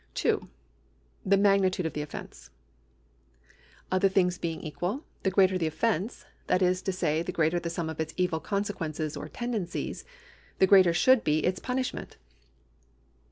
2. The magnitude of the offeiice. Other things being ecjual, the greater the offence, that is to say the greater the sum of its evil consequences or tendencies, the greater should be its punishment.